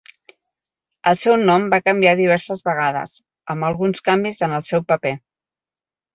El seu nom va canviar diverses vegades, amb alguns canvis en el seu paper.